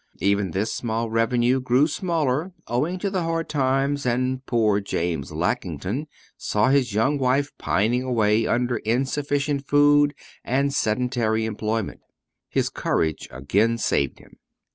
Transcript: Even this small revenue grew smaller, owing to the hard times, and poor James Lackington saw his young wife pining away under insufficient food and sedentary employment. His courage again saved him.